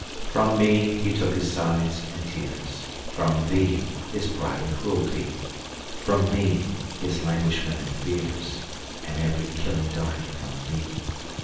From me he took his sighs and tears, From thee his pride and cruelty; 10 From me his languishments and fears, And every killing dart from thee.